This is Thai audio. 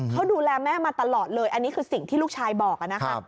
เขาดูแลแม่มาตลอดเลยอันนี้คือสิ่งที่ลูกชายบอกนะคะ